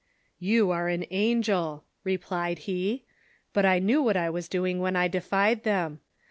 "You are an angel !" replied he ; "but I knew what I was doing when I defied them.